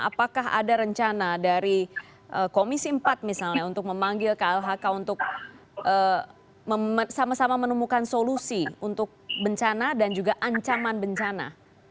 apakah ada rencana dari komisi empat misalnya untuk memanggil klhk untuk sama sama menemukan solusi untuk bencana dan juga ancaman bencana